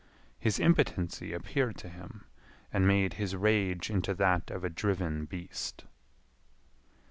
His impotency appeared to him, and made his rage into that of a driven beast.